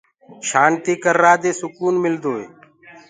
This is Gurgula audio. شآنتيٚ ڪررآ دي سڪون ملدوئي